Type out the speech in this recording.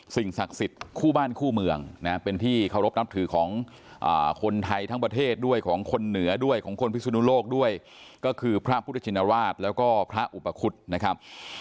สิ่งศักดิ์สิทธิ์คู่บ้านคู่เมืองนะเป็นที่เคารพนับถือของคนไทยทั้งประเทศด้วยของคนเหนือด้วยของคนพิสุนุโลกด้วยก็คือพระพุทธชินราชแล้วก็พระอุปคุฎนะครับ